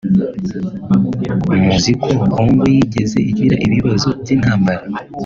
Muzi ko congo yigeze igira ibibazo by’intambara